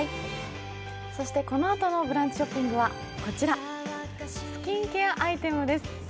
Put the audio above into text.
このあとの「ブランチ」ショッピングはこちら、スキンケアアイテムです。